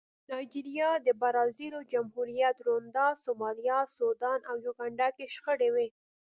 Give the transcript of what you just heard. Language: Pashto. نایجریا، د برازاویل جمهوریت، رونډا، سومالیا، سوډان او یوګانډا کې شخړې وې.